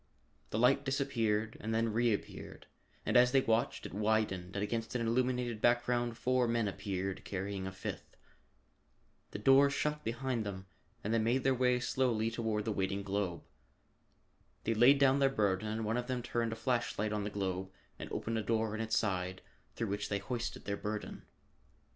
The light disappeared and then reappeared, and as they watched it widened and against an illuminated background four men appeared, carrying a fifth. The door shut behind them and they made their way slowly toward the waiting globe. They laid down their burden and one of them turned a flash light on the globe and opened a door in its side through which they hoisted their burden.